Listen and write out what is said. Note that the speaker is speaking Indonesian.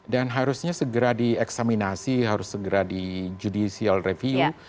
dan harusnya segera dieksaminasi harus segera di judicial review